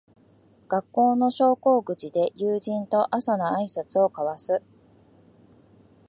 学校の昇降口で友人と朝のあいさつを交わす